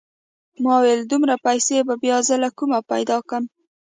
ما وويل دومره پيسې به بيا زه له کومه پيدا کم.